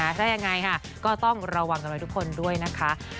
ถ้ายังไงค่ะก็ต้องระวังกับเราทุกคนด้วยนะคะ